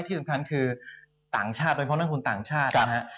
ที่สำคัญคือต่างชาติเป็นเพราะนักทุนต่างชาตินะฮะ